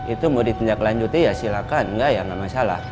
itu mau ditinjak lanjutin ya silakan nggak masalah